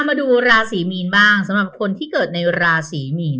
มาดูราศีมีนบ้างสำหรับคนที่เกิดในราศีมีน